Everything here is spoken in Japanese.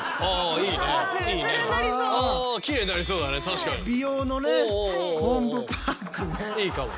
いいかも。